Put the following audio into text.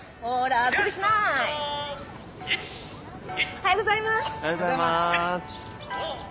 おはようございます。